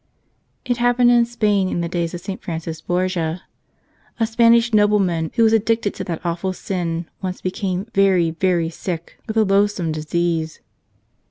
"It happened in Spain in the days of St. Francis Borgia. A Spanish nobleman who was addicted to that awful sin once became very, very sick with a loath¬ some disease.